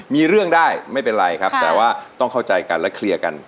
มีเรื่องได้ไม่เป็นไรครับแต่ว่าต้องเข้าใจกันและเคลียร์กัน